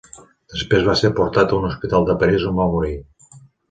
Després va ser portat a un hospital de París on va morir.